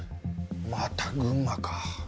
また群馬か。